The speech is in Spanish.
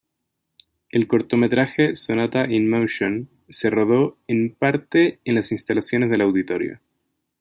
El cortometraje Sonata in Motion se rodó en parte en las instalaciones del Auditorio.